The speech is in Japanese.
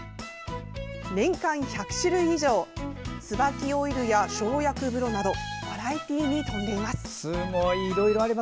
年間１００種類以上「つばきオイル湯」や「生薬風呂」などバラエティーに富んでいます。